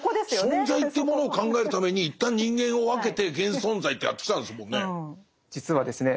存在ってものを考えるために一旦人間を分けて現存在ってやってきたんですもんね？